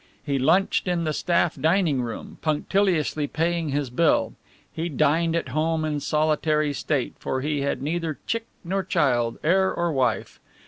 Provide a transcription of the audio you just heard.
He lunched in the staff dining room, punctiliously paying his bill; he dined at home in solitary state, for he had neither chick nor child, heir or wife.